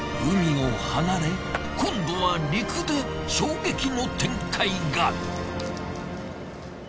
海を離れ今度は陸で衝撃の展開が！